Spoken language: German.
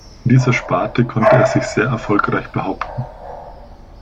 In dieser Sparte konnte er sich sehr erfolgreich behaupten.